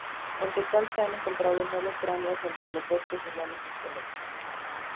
En total se han encontrado nueve cráneos entre los restos de varios esqueletos.